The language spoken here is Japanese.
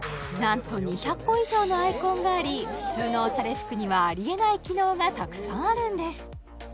なんと２００個以上のアイコンがあり普通のオシャレ服にはありえない機能がたくさんあるんです